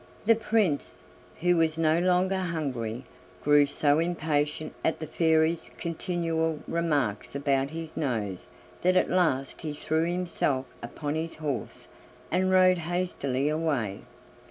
The Prince, who was no longer hungry, grew so impatient at the Fairy's continual remarks about his nose that at last he threw himself upon his horse and rode hastily away.